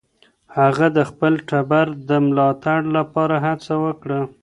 هغه د خپل ټبر د ملاتړ لپاره هڅه وکړه.